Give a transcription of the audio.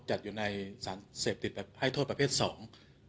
จัดอยู่ในสารเสพติดแบบให้โทษประเภทสอง